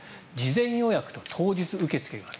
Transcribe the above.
事前予約と当日受け付けがある。